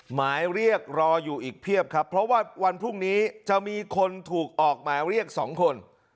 หมายเรียกรออยู่อีกเพียบครับเพราะว่าวันพรุ่งนี้จะมีคนถูกออกหมายเรียก๒คน